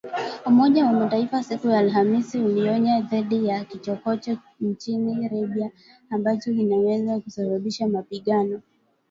Umoja wa Mataifa, siku ya Alhamisi ,ulionya dhidi ya “chokochoko” nchini Libya ambazo zinaweza kusababisha mapigano